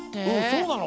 そうなの？